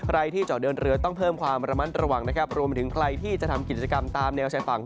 ใครที่เจาะเดินเรือต้องเพิ่มความระมัดระวังนะครับรวมไปถึงใครที่จะทำกิจกรรมตามแนวชายฝั่ง